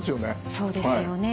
そうですよね。